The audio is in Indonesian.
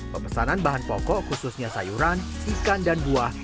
pemesanan bahan pokok khususnya sayuran ikan dan buah